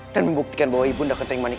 dan membuktikan bahwa ibu ndaka tengmanik